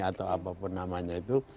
atau apapun namanya itu